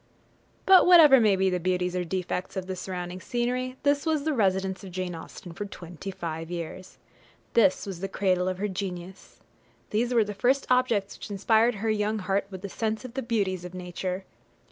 jpg] But whatever may be the beauties or defects of the surrounding scenery, this was the residence of Jane Austen for twenty five years. This was the cradle of her genius. These were the first objects which inspired her young heart with a sense of the beauties of nature.